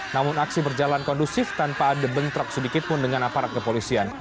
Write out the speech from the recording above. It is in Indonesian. namun aksi berjalan kondusif tanpa ada bentrok sedikitpun dengan aparat kepolisian